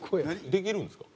できるんですか？